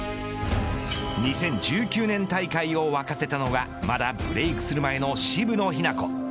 ２０１９年大会を沸かせたのはまだブレークする前の渋野日向子。